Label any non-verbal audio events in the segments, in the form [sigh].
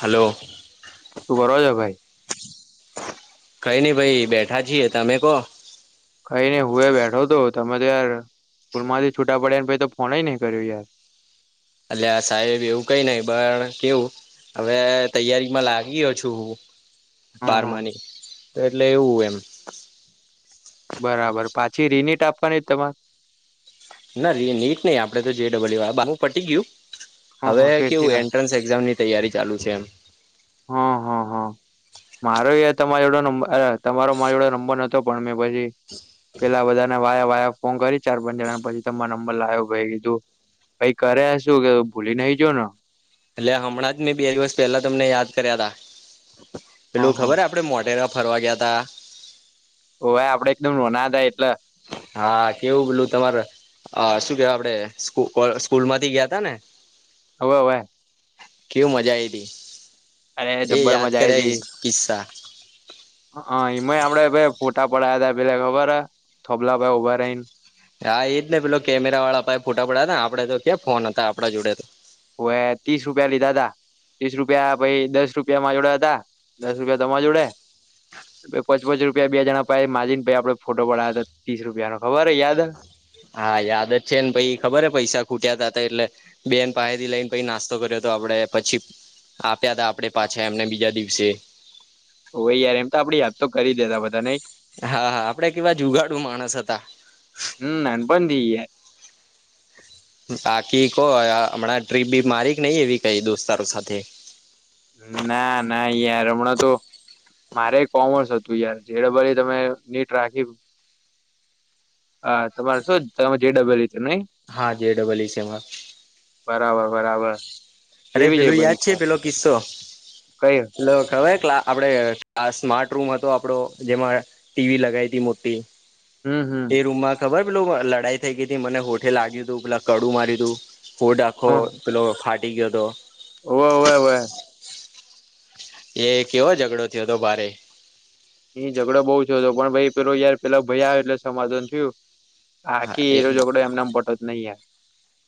Hello તું બરો છે ભાઈ કઈ નઈ ભાઈ બેઠા છીએ તમે કો અહી ને હું એ બેઠો હતો તમે તયાર સ્કૂલ માંથી છૂટા પડ્યા ને પછ તો ફોન નહી કર્યું યાર એટલે આ સાહેબ એવું કઈ નઈ પણ કેવું હવે તૈયારીમાં લાગીયો છું હું હા હા બારમાની તો એટલે એવું એમ બરાબર પાછી રિનટ આપવાની તમારે ના ર નીટ નહી આપડે તો જેડબલ્યુ વાળ બાું પટી ગયું હા હવે હા ફેરથી કેવું ના એન્ટ્રન્સ એક્ઝામની તૈયારી ચાલુ છે એમ હમ હ હા મારો તમારોડો નંબર તમારો મારોડો નંબર નતો પણ મેં પછી પેલા બધા ના વાયા વાયા ફોન કરી ચાર પાંચ જણા પછી તમારા નંબર લાવ્યો ભાઈ કીધું પઈ કર્યા શું કે ભૂલી નઈ જો ન લ્યા હમણાં જ મેં બે દિવસ પેહલા તમને યાદ કર્યા તા. હા પેલું હા ખબર આપડે મોઢેરા ફરવા ગયા તા. ઓવે આપડે એકદમ નોના હતા એટલ હા કેવું પેલું તમારે અ શું કેવાય આપડે સ્કુપર-સ્કૂલ માંથી ગયા તા ને હવે-હવે કેવું મજા આઈતી અરે એ યાદ કર કિસ્સા હઅય એમાંય આપડે પહે ફોટા પડયા તા [unintelligible] થોબલા [unintelligible] ઓભારઇન હા એ જ ને પેલો કેમેરા વાળા પાહે ફોટા પડાયા તાને આપડે તો ક્યાં ફોન હતા આપડા જોડે તો હોવે ત્રીસ રૂપિયા લીધાતા. ત્રીસ રૂપિયા પહી દસ રૂપિયામાં માર જોડે હતા દસ રૂપિયા તમાર જોડે પોચ પોચ રૂપિયા બેજણા પાહે માજિન પહી આપડે ફોટો પડાયો હતો ત્રીસ રૂપિયાનો ખબર હે યાદ હે હા યાદ જ છે ન પઈ ખબર હ પૈસા ખૂટયા તા ત એટલે બેન પાહે થી લઈને પહી નાસ્તો કર્યોતો આપડે પછી આપ્યાતા આપડે પાછા એમને બીજા દિવ છે હોય યાર એમ તો આપડી હેપ તો કરી દેતા બધા નહી હા હા આપડે કેવા જુગાડું માણસ હતા હમ નાનપણથી યાર બાકી કો હમણાં ટ્રીપ બી મારી કે નહી એવી કઈ દોસ્તારો સાથે ના ના યાર હમણાં તો મારે કોમર્સ હતું યાર જેડ ભલી તમે નીટ રાખી હા તમારે શું તમે જે ડબલ ય રીતે નઈ હા જે ડબલ ઇ સમમાં બરાબર બરાબર! અરે કેવી જઈ પેલું યાદ છે પરીક્ષા પેલો કિસ્સો કઈ પેલો ખબર આપડે સ્માર્ટ રૂમ હતો, આપડો જેમાં ટીવી લગાવ હતી મોટી હમ્મ હમ્મ એ રૂમમાં ખબર પેલું લડાઈ થઈ ગઈી હતી મનેઠે લાગ્યું તું પેલા કડુ માર્યું તું ફૂડ હ આખો પેલો ફાટી ગયો હતો, ઓવે ઓવે ઓવે એ કેવો ઝઘડો થયો હતો, ભારે એ ઝઘડો બઉ થયો હતો, પણ ભાઈ પેલો યાર પેલા ભયા આવ એટલે સમાધાન થયું. હા, બાકી એજ એરો ઝઘડો એમનેમ પતો જ નહી યાર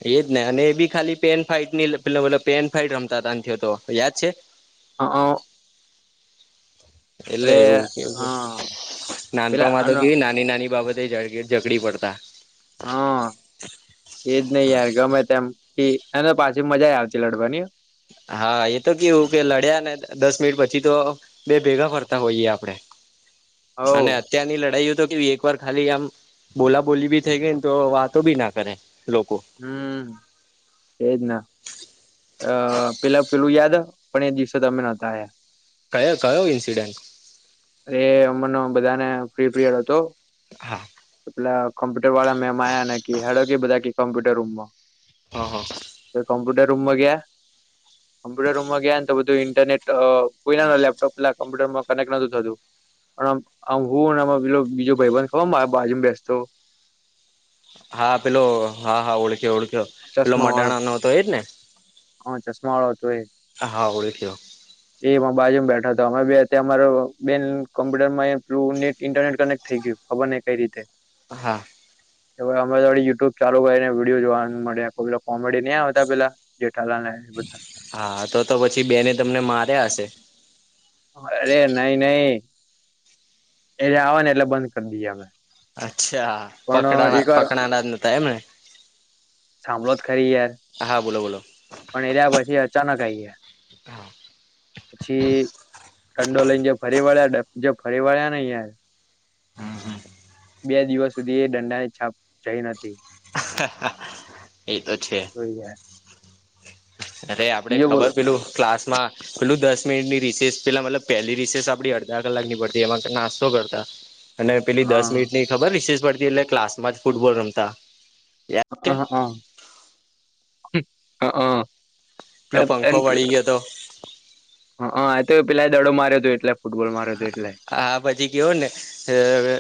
એજ ને અને એ બી ખાલી પેન ફઇટની પે પેન ફાઈટ રમતા ત નથી હતો યાદ છે, હ અ એટલે અરે એવું કેવું હા પેલા નાનપણમાં તો અન કેવી નાની નાની બાબત ઝગડી પડતા. હા એજ નહિ યાર ગમે તેમ એને પાછી મજા આવતી લડવાની, હા એ તો કેવું કે લડ્યા ને દસ મિનિટ પછી તો બે ભેગા ફરતા હોઈએ આપડે, હો અને અત્યારની લડાઈઓ એક વાર ખાલી આમ બોલા બોલી બી થઈ ગઈ ને તો વાતો બી ના કરે લોકો હમ એજ ન અ પેલા પેલું યાદ પણ એ દિવસે તમે નહોતા આયા કયો કયો ઇન્સિડેન્ટ અરે અમરનો બધાને ફ્રી પીરયડ હતો હા પેલા કોમ્પ્યુટર વાળા મેમ આયા ને હેડો કે બધા કોમ્પ્યુટર રૂમમાં હ હ રૂમો ગ્યા કોમ્પ્યુટરોમાં ગયા ને તો બધું ઇન્ટરનેટ તો પોરા ન લેપટોપ લ કોમ્પ્યુટર માં કનેક્ટ નો મ હું પે બીજો ભાઈબન ખ બાજુમાં બેસતો હા પેલો હા હા ઓળખ્યો ઓળખ્યો પેલો મડાણા નો તો એ જ ને હ ચશ્માંવળો હ ઓળીખયો એ મારા બાજુમાં બેઠા હતા અમે બે અમારો બેન કોમ્પ્યુટર માંઇન્ટરનેટ કનેક્ટ થઈ ગયું ખબર ને કઈ રીતે હા અમે થડી યુટ્યુબ ચાલુ કરીને વિડીયો જોવા મળયા પે કોમેડી ન આવ હતા પેલા જેઠાલાલ ને એ બધા હા તો તો પછી બેને તમને માર્યા હશે અરે નઈ નહી એજ આવે ને એટલે બંધ કરી દએ અમે અચ્છા પણ એક પકડાના વાર પકડાના જ ન થ એમને સાંભળો જ ખરી યાર હા બોલો બોલો પણ એ રહ્યા પછી અચાનક આઈ ગયા [inaudible] પછી જો ફરીવાળ્યા નહીં યાર [unintelligible] બે દિવસ સુધી એ દંડા ની છાપ જઈ નથી એતો છે અરે આપડે બીજો બોલો ખબર પેલું ક્લાસ પેલું દસ મિનિટની રીસેસ પેલા મતલબ પહેલી રીસેસ આપડી અડધા કલાક ની પડતી એમાં નાસ્તો કરતા અને પેલી દસ હા મિનિટ ની ખબર રિશેષ પડતી એટલે ક્લાસમાં જ ફૂટબોલ રમતા હ યાદ છે હા હ હ હા પેલો પંખો વળી ગયો હતો એ તો પેલા દડો માર્યો હતો એટ હા પછી કેયોો ને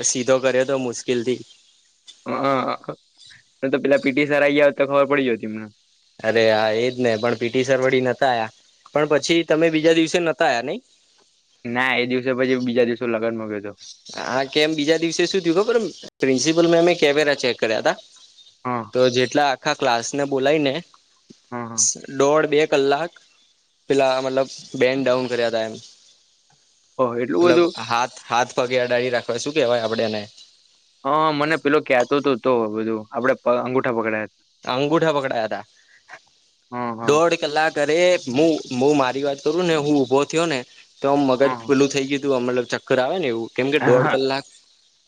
સીધો કર્યો તો મુશ્કેલ થી હા તો પેલા પીટી સર આયા તો ખબર પડી જતી તમને અરે હા એજ ને પણ પીટી સરવડી નતા આ પણ પછી તમે બીજા દિવસે નહોતા આયા નહી ના એ દિવસે પછી બીજા દિવસે લ હા, કેમ બીજા દિવસે શું થયું ખબર પ્રિન્સિપલ મેમ એ કેમેરા ચેક કર્યા તા હા તો જેટલા આખા ક્લાસને બોલાયને હા હા દોઢ-બે કલાક પેલા મતલબ બેન ડાઉન કર્યા તા એમ ઓહો એટલું મતલબ બધું. હાથ હાથ પગે અડાળી રાખવા શું કેવાય આપડે એને હ મને પેલો કેતો તો તો બધું આપડે પ અંગુઠા પકડાયા અંગુઠા પકડાયા તા. હતા હા દોઢ કલાક અરે મુ મુ મા મારી વાત કરુંને હું ઊભો થયો ને. તો મગજ હા પેલું થઈ ગયુ તું આમ મતલબ ચક્કર આવે ને એવું. કેમ કે હા દોઢ હા કલાક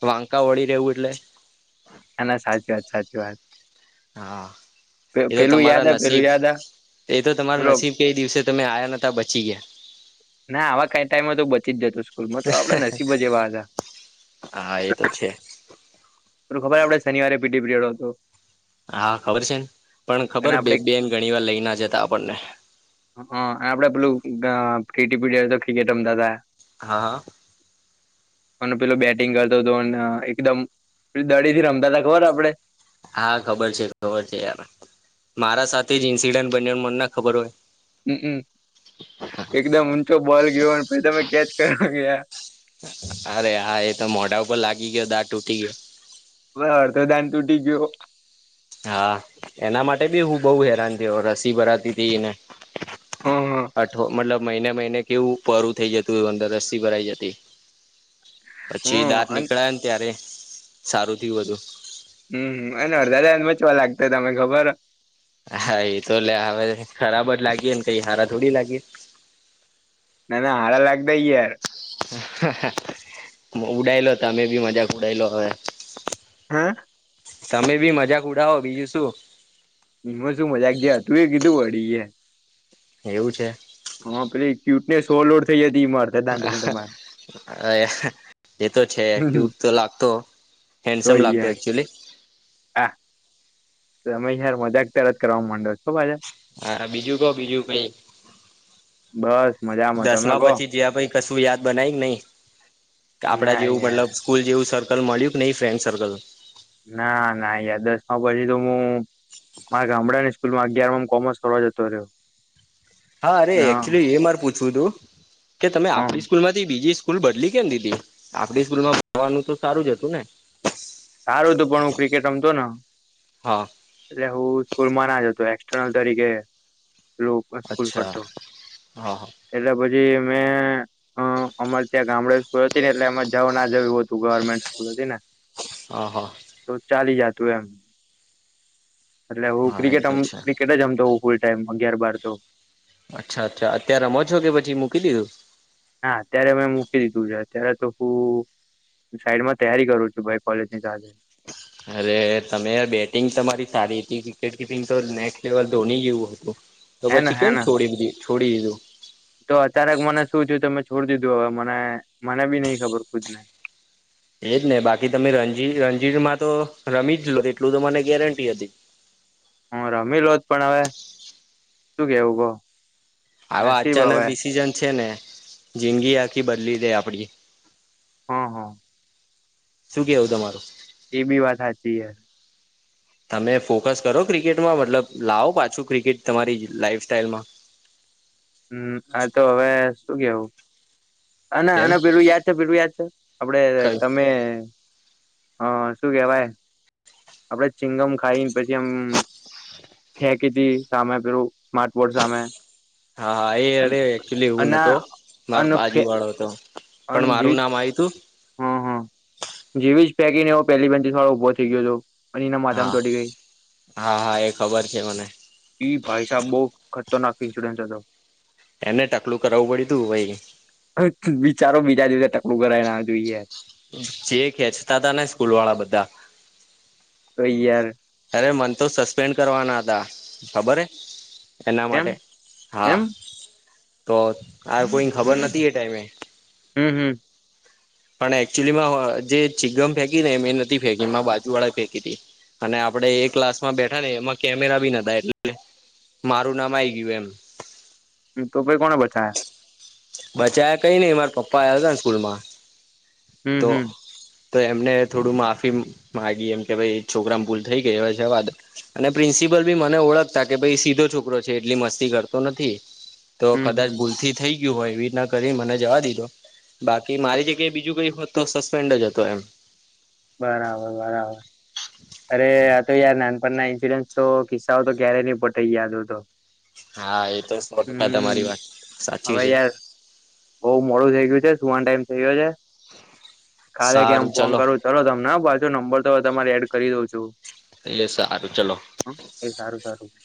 વાંકા વળી રહેવું એટલે ના, ના, સાચી વાત. સાચી વાત. હા, એ તો પેલું યાદ તમારા પેલું નસીબ યાદ એ તો તમારા પેલો નસીબ કે એ દિવસે તમે આયા નતા બચી ગયા. ના આવા કાઈ ટાઈમમાં તો બચી જ જતો સ્કૂલમાં તો આપડા નસીબ જ એવા હતા. હા એ તો છે. પેલુ ખબર આપડે શનિવારે પીટી પીરિયડ હતો. હા ખબર છે ન. પણ અને ખબર બે આપડે બેન ઘણીવાર લઈ ના જતા આપડને. પિટી પિરિયડ તો ક્રિકેટ રમતા તા. હા હા અને પેલો બેટિંગ કર [unintelligible] એકદમ દડીથી રમતા ત ખબર આપડે. હા ખબર છે. ખબર છે યાર. મારા સાથે જ ઇન્સિડન્ટ બન્યો મન ના ખબર હોય. હમ એકદમ ઊંચો બોલ ગયોને પ તમે કેચ કરવા ગયા અરે હા એ તો મોઢા ઉપર લાગી ગયો દા તૂટી ગયો બસ અડધો દાન તૂટી ગયો હા એના માટે બી હું બહ હેરાન થયો રસી ભરાતીથી ને હમ અઠ મતલબ મહિને મહિને કેવું પરું થઈ જતું અંદર અસ્સી ભરાઈ જતી પછી હમ દાંત અન નીકળાય ને ત્યારે સારું થયું હતું હમ અને [unintelligible] દાદાને બચવા લાગતા તને ખબર હા એ તો લ હવે ખરાબ જ લાગી ને કઈ હારા થોડી લાગી ના ના હાર લાગતા [unintelligible] યાર! હ હ હ ઉડાયલો તમે ભી મજાક ઉડાય લો હવે! હા તમે બી મજાક ઉડાવો બીજું શું એમાં શું મજાક જે હતું એ કીધું વળડી એ. એવું છે! હા, પેલે ક્યુટનેસ હો લોડ થઈ જ હતી મારતા દાંડમ માર એ તો છે ક્યુટ તો લાગતો તો હેન્ડસમ લાગતો યાર એકચુલી આ તમે યાર મજાક ત્યારે જ કરવા માંડો. [unintelligible] હા બીજું ક બીજું કઈ બસ મજામાં તમે દસમા કહો પછી જ પ [unintelligible] કશું યાદ બનાય નહી આપડા ના જેવું મતલબ યાર સ્કૂલ જેવું સર લ માલ્યુક નઈ ફ્રેન્ડ સર્કલ! ના ના યાર દસ માં પછી તો હું મારે ગામડા [unintelligible] અગિયાર માં કોમર્સ થવા જતો રહ્યો. હા, અરે! એચુલી એ મારે પૂછવું હતું કે તમે હ આપણી સ્કૂલ માંથી બીજી સ્કૂલ બદલી કેમ દીદી [inaudible] આપડી સ્કૂલમાં [inaudible] ભવાનું તો સારું જ હતું ને! સારું તું પણ હું ક્રિકેટ રમતો ને, હા એટલે હું સ્કૂલમાં ના જ હતો ત્રણ તારીખે [unintelligible] સ્કૂલ અચ્છા કરતો હા હા એટલા પછી [unintelligible] મેં એ-એ-એ હ! અમારે ત્યાં ગામડે સ્કૂલ હતી ને એટલે અમે જવ ના જવું હતું ગવર્મેન્ટ સ્કૂલ હતી ને! હા હા તો ચાલી જતું એમ! એટલે હું હા એ ક્રિકેટ તો છે [unintelligible] અચ્છા ક્રિકેટ જ [unintelligible] મતો હોઉ ફૂલ ટાઈમ અગયાર બાર તો અચ્છા અચ્ અત રમજ હા! અત્યારે મેં મૂકી દીધું છે, અત્યારે તો હું સાઈડમાં તૈયારી કરું છું ભાઈ કોલેજ ની સાથે અરે! તમે બેટિંગ તમારી સારી હતી વિકેટ કિપિંગ તો નેક્સ્ટ લેવલ ધોની જેવું હતું. તો હે ને પછી હે કેમ ને છોડી દ [unintelligible] છોડી દીધું. તો અચાનક મને શું થયું [unintelligible] હવે મને મને બી નહી ખબર ખુદને! એજ ને બાકી તમે રણજી રણજીરમાં તો રમી જ લો એટલું તો મને ગેરંટી હતી. હ! રમી લો જ પણ હવે, શું કેવું કહ? આવા નસીબ અચાનક હવે ડિસીિઝન છે ને, જિંદગી આખી બદલી દે આપડી. હા! હા! શું કેવું તમારું? એ બી વાત સાચી હ તમે ફોકસ કરો ક્રિકેટમાં મતલબ લાવો પાછું ક્રિકેટ તમારી લાઈફ સ્ટાઇલ માં! હમ, આ તો હવે શું કેવું! અને કેમ અને પેલું યાદ છે, પેલું યાદ છે આપડે કયું? તમે! હા, શું કેવાય આપડે ચિંગમ ખાઈને પછી આમ ફેંકી હતી સામે પેલું સ્માર્ટ બોર્ડ સામે હા! હા! એ અરે, એકચુલી એવું અના નતો મારો અનફે બાજુ વાળો હતો! પણ મારું નામ આય તું? હમ હા જેવી જ પેકીને એવ પેલી બેનથી [unintelligible] ઉભો થઈ ગયો હતો. અને એના માથામ હા તોડી ગઈ હા હા એ ખબર છે મને ઈ ભાઈ સાબ બહ [unintelligible] તો નાફઇન્સુરન્સ હતોો એને ટકલું કરાવવું પડ્યું તું ભાઈ વિચારો બીજા દિવસે ત થોડું કર ના જોઈએ જે ખેચતા તા ને સ્કૂલ વાળા બધા કઈયાર અરે મન તો સસ્પેન્ડ કરવાના હતા ખબર હે એના કેમ માટે હા એમ તો હ કોઈ ખબર હમ નથી એ ટાઈમે હમ પણ એકચુલીમાં જે ચીગમ ફેંકી ને એ એ નથી ફેંકી એ બાજુ વાળા ફેંકી હતી અને આપડે એ ક્લાસ માં બેઠા ને એમાં કેમેરા બી નતા એટલે મારું નામ આઈ ગયું એમ હમ તો પહી કોને બચાયા બચા્યા કઈ નઈ મારા પપ્પા આવ્યા હતા ને સ્કૂલ માં હમ હમ તો એમને થોડું માફી મામાંગી એમ કે ભ છોકરા ભૂલ થઈ ગયા હ છે અને પ્રિન્સપ ભી મને ઓળખતા કે ભાઈ સીધો છોકરો છે એટલી મસ્તી કરતો નથી તો હમ કદાચ હમ ભૂલથી થઈ ગયું હોય એવી રીતના કરી મને જવા દીધો બાકી મારી બીજું કઈ હોત તો સસ્પેન્ડ જ હતો એમ બરાબર બરાબર અરે આ તો યાર નાનપણના ઇન્સુરન્સ તો કિસ્સાઓ તો ક્યારેય નહી પોતે યાદ હતો હા એ તો સો ટકા તમારી વાત સાચી છે બઉ મોડું થઇ ગયું છે સુવાન ટાઈમ થઇ ગયો છે ખાલે કેમ સારું ફોન ચલો કરું ચાલો તમને પાછો નંબર તો તમાડ કરી દઉં છું એ સારું ચલો હ એ સારું સારું છે